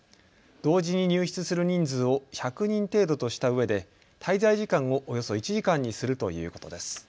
同時に入室する人数を１００人程度としたうえで滞在時間をおよそ１時間にするということです。